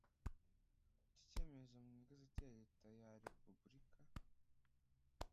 iki cyemezo mu igazeti ya leta ya repubulika